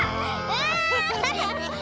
うわ！